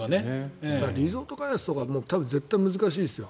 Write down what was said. リゾート開発とかは難しいですよ。